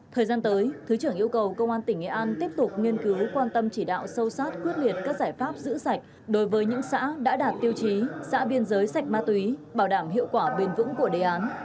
thời gian tới thứ trưởng yêu cầu công an tỉnh nghệ an tiếp tục nghiên cứu quan tâm chỉ đạo sâu sát quyết liệt các giải pháp giữ sạch đối với những xã đã đạt tiêu chí xã biên giới sạch ma túy bảo đảm hiệu quả bền vững của đề án